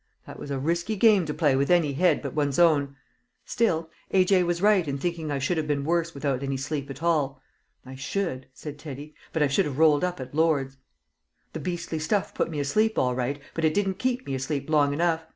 That was a risky game to play with any head but one's own; still A. J. was right in thinking I should have been worse without any sleep at all. I should," said Teddy, "but I should have rolled up at Lord's! The beastly stuff put me asleep all right, but it didn't keep me asleep long enough!